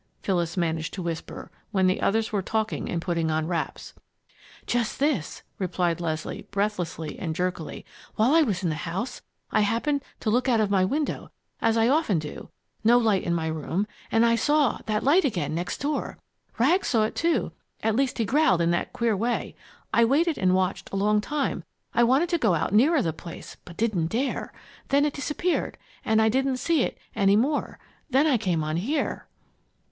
Phyllis managed to whisper, when the others were talking and putting on wraps. "Just this," replied Leslie, breathlessly and jerkily. "While I was in the house I happened to look out of my window as I often do, no light in my room and I saw that light again next door! Rags saw it too at least he growled in that queer way. I waited and watched a long time I wanted to go out nearer the place but didn't dare. Then it disappeared and I didn't see it any more. Then I came on here."